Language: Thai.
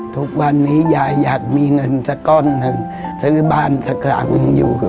ทุกวันนี้ยายอยากมีเงินสักก้อนซื้อบ้านสักคราวอยู่